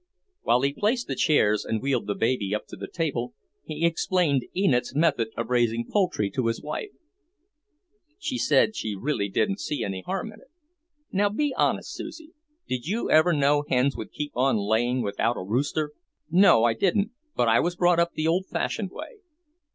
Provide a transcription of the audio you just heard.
While he placed the chairs and wheeled the baby up to the table, he explained Enid's method of raising poultry to his wife. She said she really didn't see any harm in it. "Now be honest, Susie; did you ever know hens would keep on laying without a rooster?" "No, I didn't, but I was brought up the old fashioned way.